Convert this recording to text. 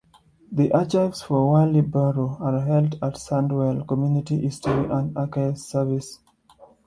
The archives for Warley Borough are held at Sandwell Community History and Archives Service.